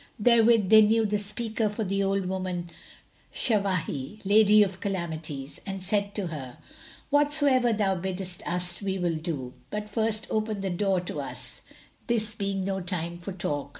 Therewith they knew the speaker for the old woman Shawahi, Lady of Calamities, and said to her, "Whatsoever thou biddest us, that will we do; but first open the door to us; this being no time for talk."